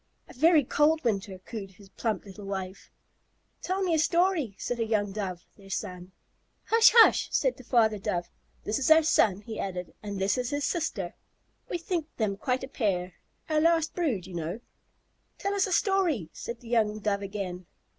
"A very cold winter," cooed his plump little wife. "Tell me a story," said a young Dove, their son. "Hush, hush," said the Father Dove. "This is our son," he added, "and this is his sister. We think them quite a pair. Our last brood, you know." "Tell us a story," said the young Dove again.